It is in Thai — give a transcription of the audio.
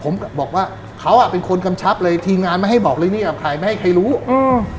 ผมก็บอกว่าเขาอ่ะเป็นคนกำชับเลยทีมงานไม่ให้บอกเลยนี่กับใครไม่ให้ใครรู้อืม